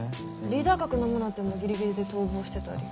リーダー格の宗手もギリギリで逃亡してたり。